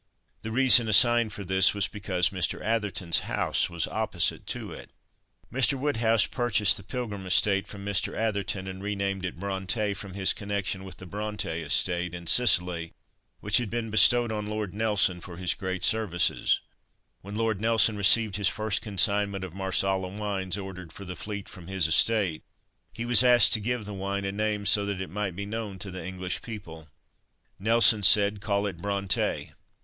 The reason assigned for this was because Mr. Atherton's house was opposite to it. Mr. Woodhouse purchased the Pilgrim estate from Mr. Atherton, and re named it "Bronte,", from his connection with the Bronte estate in Sicily, which had been bestowed on Lord Nelson for his great services. When Lord Nelson received his first consignment of Marsala wines ordered for the fleet from his estate, he was asked to give the wine a name so that it might be known to the English people. Nelson said "call it Bronte."